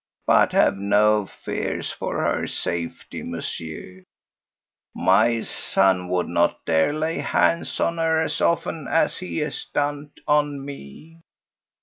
But have no fears for her safety, Monsieur. My son would not dare lay hands on her as often as he has done on me.